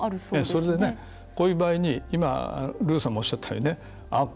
それでね、こういう場合に今ルーさんもおっしゃったようにあっ！